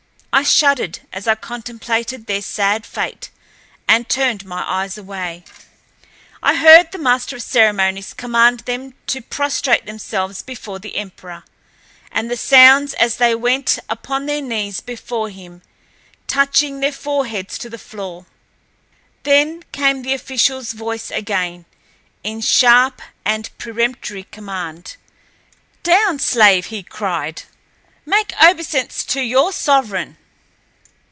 I shuddered as I contemplated their sad fate, and turned my eyes away. I heard the master of ceremonies command them to prostrate themselves before the emperor, and the sounds as they went upon their knees before him, touching their foreheads to the floor. Then came the official's voice again, in sharp and peremptory command. "Down, slave!" he cried. "Make obeisance to your sovereign!"